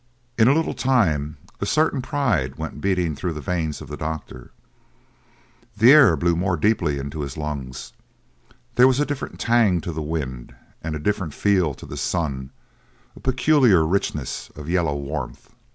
In a little time a certain pride went beating through the veins of the doctor, the air blew more deeply into his lungs, there was a different tang to the wind and a different feel to the sun a peculiar richness of yellow warmth.